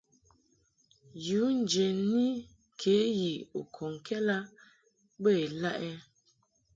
Yu njeni ke yi u kɔŋkɛd a bə ilaʼɛ ?